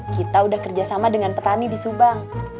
kita udah kerjasama dengan petani di subang